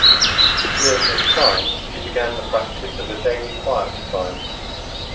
During this time he began the practice of a daily quiet time.